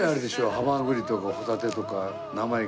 ハマグリとかホタテとか生イカ